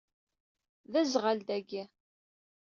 D azɣal dagi.